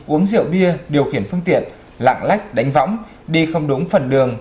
uống rượu bia điều khiển phương tiện lạng lách đánh võng đi không đúng phần đường